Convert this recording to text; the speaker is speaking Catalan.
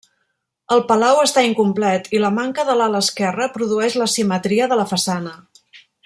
El palau està incomplet i la manca de l'ala esquerra produeix l'asimetria de la façana.